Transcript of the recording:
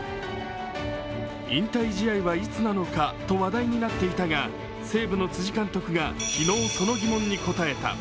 引退試合はいつなのかと話題になっていたが、西武の辻監督が昨日その疑問に答えた。